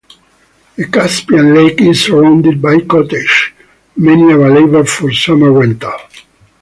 The Caspian lake is surrounded by cottages, many available for summer rental.